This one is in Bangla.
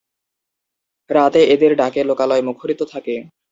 রাতে এদের ডাকে লোকালয় মুখরিত থাকে।